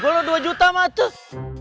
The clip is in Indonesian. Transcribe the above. kalau dua juta mah tuh